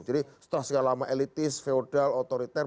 jadi setelah segala lama elitis feudal otoriter